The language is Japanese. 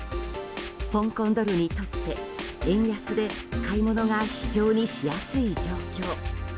香港ドルにとって円安で買い物が非常にしやすい状況。